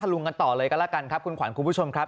ลุงกันต่อเลยก็แล้วกันครับคุณขวัญคุณผู้ชมครับ